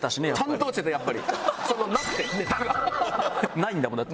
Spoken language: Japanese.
ないんだもんだって。